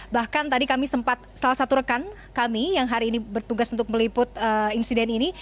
bahkan tadi kami sempat salah satu rekan kami yang hari ini bertugas untuk meliput insiden ini